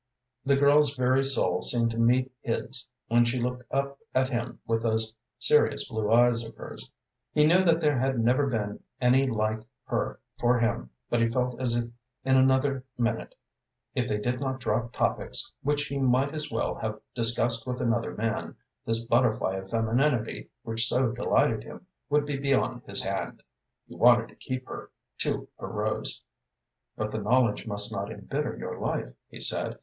The girl's very soul seemed to meet his when she looked up at him with those serious blue eyes of hers. He knew that there had never been any like her for him, but he felt as if in another minute, if they did not drop topics which he might as well have discussed with another man, this butterfly of femininity which so delighted him would be beyond his hand. He wanted to keep her to her rose. "But the knowledge must not imbitter your life," he said.